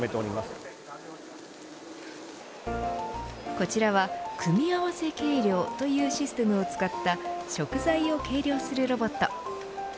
こちらは組み合わせ計量というシステムを使った食材を計量するロボット。